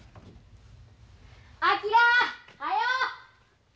・昭はよう！